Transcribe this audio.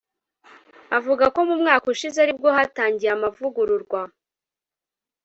Avuga ko mu mwaka ushize aribwo hatangiye amavugururwa